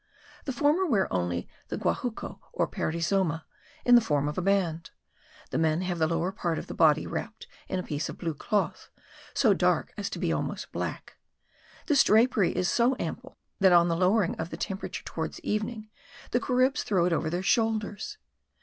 The former wear only the guajuco, or perizoma, in the form of a band. The men have the lower part of the body wrapped in a piece of blue cloth, so dark as to be almost black. This drapery is so ample that, on the lowering of the temperature towards evening, the Caribs throw it over their shoulders.